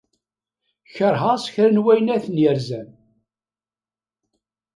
Keṛheɣ s kra n wayen ay ten-yerzan.